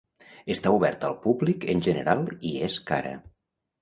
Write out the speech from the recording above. Està oberta al públic en general i és cara.